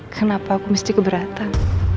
kenapa aku mesti keberatan